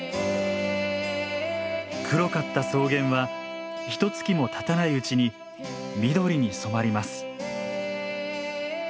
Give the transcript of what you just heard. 黒かった草原はひとつきもたたないうちに緑に染まります。